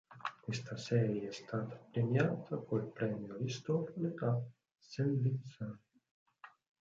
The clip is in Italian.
Questa serie è stata premiata col Premio Aristofane a Saint-Vincent.